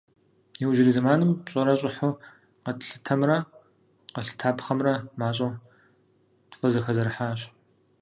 Иужьрей зэманым пщӏэрэ щӏыхьу къэтлъытэмрэ къэлъытапхъэмрэ мащӏэу тфӏызэхэзэрыхьащ.